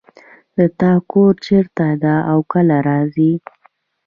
د تا کور چېرته ده او کله راځې